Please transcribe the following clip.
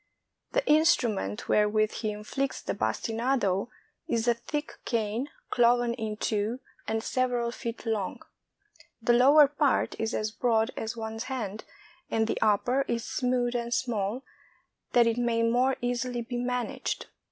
The instrument wherewith he inflicts the bastinado is a thick cane, cloven in two, and several feet long. The lower part is as broad as one's hand, and the upper is smooth and small, that it may more easily be managed.